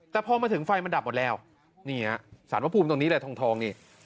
แต่พอมาถึงไฟมันดับหมดแล้วนี่ฮะสารพระภูมิตรงนี้แหละทองนี่